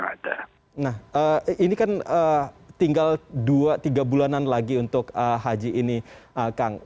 nah ini kan tinggal dua tiga bulanan lagi untuk haji ini kang